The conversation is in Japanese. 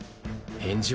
返事は？